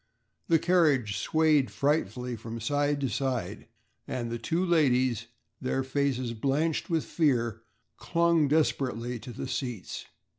The carriage swayed frightfully from side to side, and the two ladies, their faces blanched with fear, clung desperately to the seats.